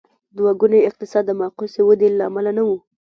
دوه ګونی اقتصاد د معکوسې ودې له امله نه و.